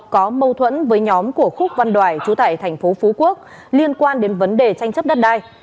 có mâu thuẫn với nhóm của khúc văn đoài trú tại thành phố phú quốc liên quan đến vấn đề tranh chấp đất đai